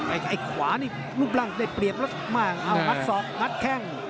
ไอ้ขวานี่รูปร่างได้เปรียบแล้วมากเอางัดศอกงัดแข้ง